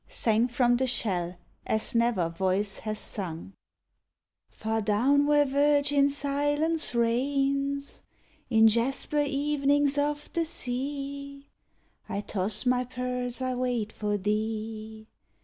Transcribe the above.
Sang from the shell as never voice hath sung: Far doivn^ where virgin silence reigns^ In jasper evenings of the sea, I toss my pearls y I wait for thee.